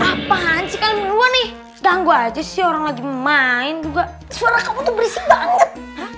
apaan sih kalian berdua nih ganggu aja sih orang lagi main juga suara kamu tuh berisik banget